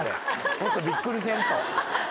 もっとびっくりせんと。